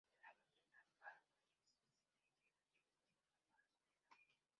Es una doctrina para nuestra existencia y nuestro destino, no para la comunidad.